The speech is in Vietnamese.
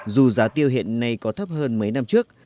dù giá tiêu hiện nay có thấp hơn mấy năm trước